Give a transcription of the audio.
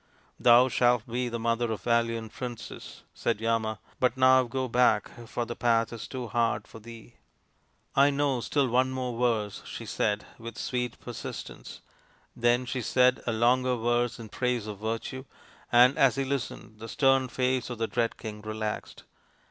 " Thou shalt be the mother of valiant princes," said Yama ;" but now go back, for the path is too hard for thee." " I know still one more verse, 55 she said with sweet persistence. Then she said a longer verse in praise of Virtue, and as he listened the stern face of the dread King relaxed.